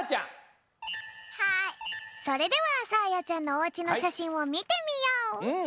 それではさあやちゃんのおうちのしゃしんをみてみよう！